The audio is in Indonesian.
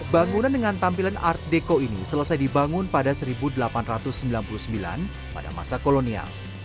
bangunan dengan tampilan art deco ini selesai dibangun pada seribu delapan ratus sembilan puluh sembilan pada masa kolonial